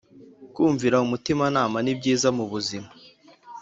kumvira umutima nama nibyiza mubuzima